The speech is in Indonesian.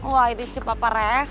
wah ini si papa reng